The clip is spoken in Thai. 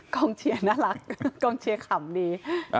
กองเชียร์น่ารักกองเชียร์ขำดี